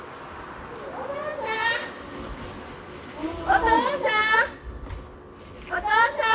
お父さん！